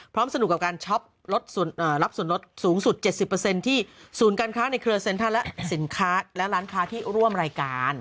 พร้อมสนุกกับการรับส่วนลดสูงสุด๗๐ที่ศูนย์การค้าในเครือเซ็นทรัลและร้านค้าที่ร่วมรายการ